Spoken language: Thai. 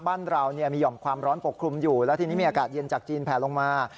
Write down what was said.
บ้านเรามีห่อมความร้อนปกคลุมอยู่แล้วทีนี้มีอากาศเย็นจากจีนแผลลงมา